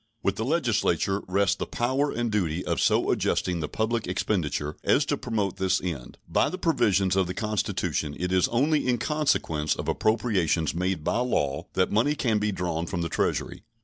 With the Legislature rest the power and duty of so adjusting the public expenditure as to promote this end. By the provisions of the Constitution it is only in consequence of appropriations made by law that money can be drawn from the Treasury.